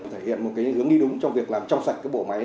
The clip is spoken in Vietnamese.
thể hiện một hướng đi đúng trong việc làm trong sạch bộ máy